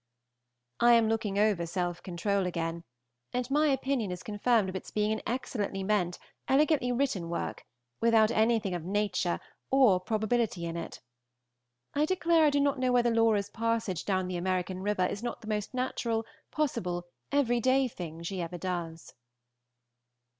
I am looking over "Self Control" again, and my opinion is confirmed of its being an excellently meant, elegantly written work, without anything of nature or probability in it. I declare I do not know whether Laura's passage down the American river is not the most natural, possible, every day thing she ever does.